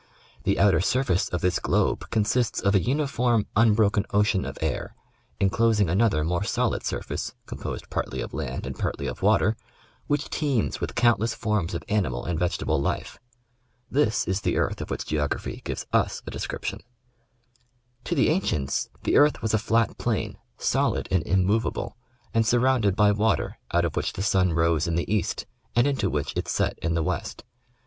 The outer surface of this globe consists of a uniform, unbroken ocean of air, enclosing another more solid surface (composed partly of land and partly of water), which teems with countless forms of animal and vegetable life. This is the earth of which geo graphy gives lis a description. To the ancients the earth was a flat plain, solid and immovable, and surrounded by water, oiit of which the sun rose in the east and into which it set in the west.